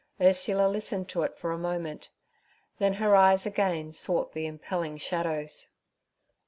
Ursula listened to it for a moment, then her eyes again sought the impelling shadows.